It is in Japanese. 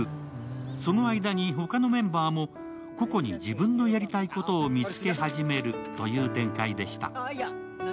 その間に他のメンバーも個々に自分のやりたいことを見つけ始めるという展開でした。